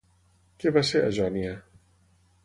Què va ser a Jònia?